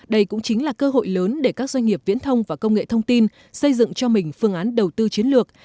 đây cũng chính là cơ hội lớn để các doanh nghiệp viễn thông và công nghệ thông tin xây dựng cho mình phương án đầu tư chiến lược